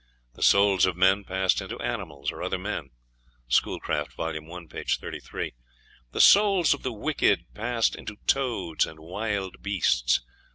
The souls of men passed into animals or other men. (Schoolcraft, vol. i., p. 33.) The souls of the wicked passed into toads and wild beasts.